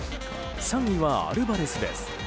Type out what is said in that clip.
３位はアルバレスです。